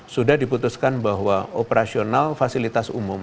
sudah diputuskan bahwa operasional fasilitas umum